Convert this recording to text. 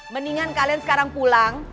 mendingan kalian sekarang pulang